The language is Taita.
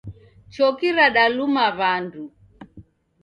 Choki radaluma wandu.